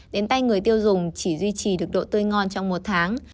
đến tay người tiêu dùng chỉ duy trì được độ tươi ngon trong một tháng